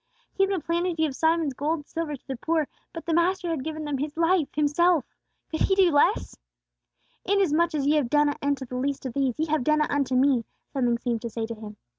He had been planning to give Simon's gold and silver to the poor; but the Master had given them His life, Himself! Could he do less? "Inasmuch as ye have done it unto the least of these, ye have done it unto me," something seemed to say to him.